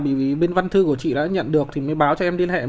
bởi vì bên văn thư của chị đã nhận được thì mới báo cho em liên lạc với chị mà